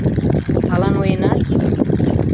Ала ноенат?